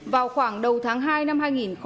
vào khoảng đầu tháng hai năm hai nghìn một